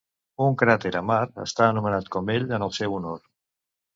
Un cràter a Mart està anomenat com ell en el seu honor.